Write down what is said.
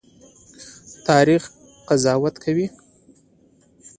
تاریخ قضاوت کوي